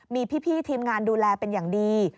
มีพี่ทีมงานดูแลเป็นอย่างดี